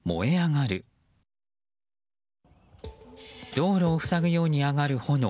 道路を塞ぐように上がる炎。